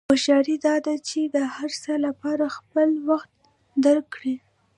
هوښیاري دا ده چې د هر څه لپاره خپل وخت درک کړې.